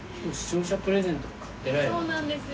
そうなんですよ。